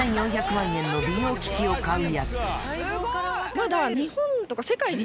まだ。